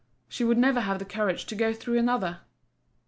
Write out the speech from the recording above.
She would never have the courage to go through another.